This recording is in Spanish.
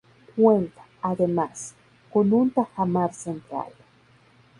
Cuenta, además, con un tajamar central.